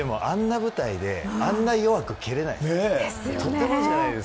舞台であんな弱く、蹴れないです。